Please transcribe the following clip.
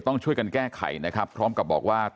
ต้องช่วยกันแก้ไขนะครับ